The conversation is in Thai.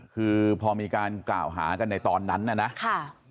คือพอมีการกล่าวหากันในตอนนั้นน่ะนะค่ะ